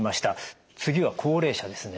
次は高齢者ですね。